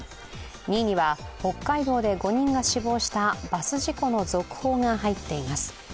２位には北海道で５人が死亡したバス事故の続報が入っています。